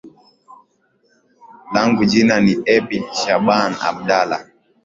langu jina ni ebi shabaan abdala